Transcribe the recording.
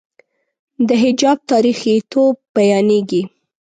د حجاب تاریخيتوب بیانېږي.